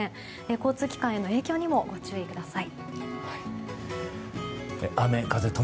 交通機関への影響にもご注意ください。